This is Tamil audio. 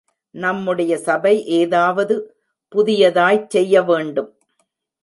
நம்முடைய சபை ஏதாவது புதியதாய்ச் செய்யவேண்டும்.